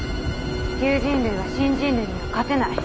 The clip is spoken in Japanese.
旧人類は新人類には勝てない。